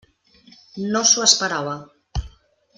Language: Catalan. No s'ho esperava.